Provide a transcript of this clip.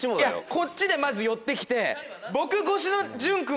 こっちまず寄って来て。